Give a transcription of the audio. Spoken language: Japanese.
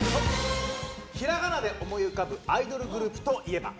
ひらがなで思い浮かぶアイドルグループといえば？